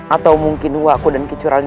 atau mungkin uakku dan kicurani